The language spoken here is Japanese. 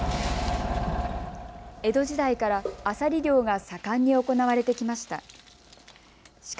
江戸時代からアサリ漁が盛んに行われてきました。